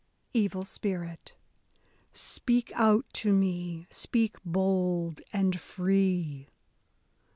— Evil Spirit: Speak out to me, speak bold and free.